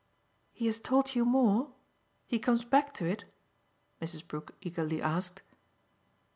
"He has told you more he comes back to it?" Mrs. Brook eagerly asked.